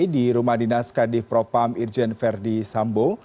di rumah dinas kadif propam irjen verdi sambo